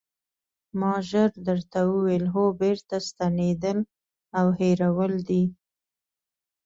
ما ژر درته وویل: هو بېرته ستنېدل او هېرول دي.